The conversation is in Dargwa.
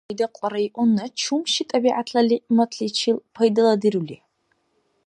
Хайдакьла районна чум ши тӀабигӀятла лигӀматличил пайдаладирули?